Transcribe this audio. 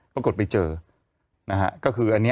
ก็ปุ่นไปเจอก็คืออันนี้